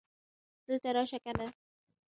دلته راشه کنه